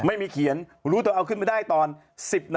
ไม่มีเขียนเขาเอาขึ้นไปได้สองตอน